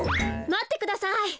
まってください。